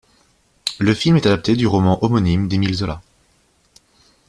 Le film est adapté du roman homonyme d'Émile Zola.